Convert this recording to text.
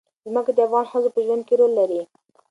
ځمکه د افغان ښځو په ژوند کې رول لري.